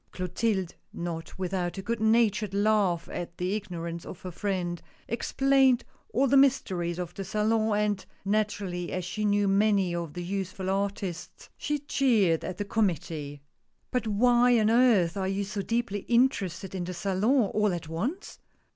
Clotilde — not without a good natured laugh at the ignorance of her friend — explained all the mysteries of the Salon, and, naturally as she knew many of the youthfuTartists, she jeered at the committee. " But why on earth are you so deeply interested in the Salon all at once